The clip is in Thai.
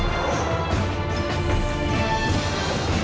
อเจมส์นั่นแหละ